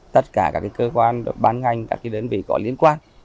tất cả các cơ quan ban ngành các đơn vị có liên quan